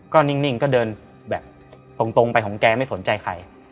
ก็นิ่งก็เดินแบบตรงไปของแกไม่สนใจใคร